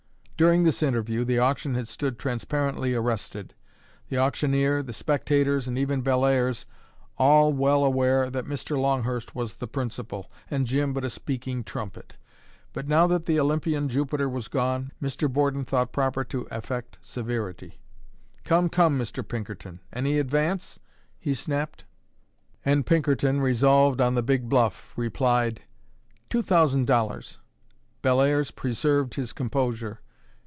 During this interview the auction had stood transparently arrested, the auctioneer, the spectators, and even Bellairs, all well aware that Mr. Longhurst was the principal, and Jim but a speaking trumpet. But now that the Olympian Jupiter was gone, Mr. Borden thought proper to affect severity. "Come, come, Mr. Pinkerton. Any advance?" he snapped. And Pinkerton, resolved on the big bluff, replied, "Two thousand dollars." Bellairs preserved his composure.